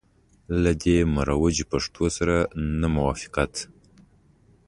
له دې مروجي پښتو سره نه موافقت.